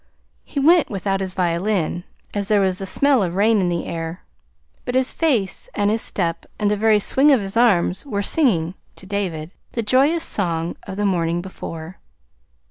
He went without his violin, as there was the smell of rain in the air; but his face and his step and the very swing of his arms were singing (to David) the joyous song of the morning before.